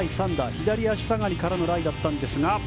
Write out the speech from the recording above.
左足下がりからのライだったんですが。